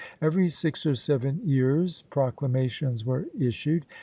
Every six or seven years proclamations were issued.